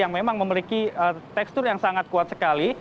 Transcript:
yang memang memiliki tekstur yang sangat kuat sekali